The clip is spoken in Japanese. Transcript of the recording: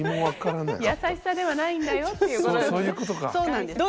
優しさではないんだよっていうことですね。